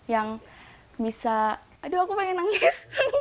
yang bisa aduh aku pengen nangis